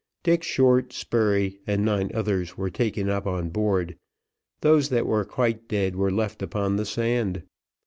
Dick Short, Spurey, and nine others were taken on board: those that were quite dead were left upon the sand.